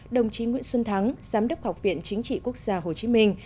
đồng chí nguyễn xuân thắng giám đốc học viện chính trị quốc gia hồ chí minh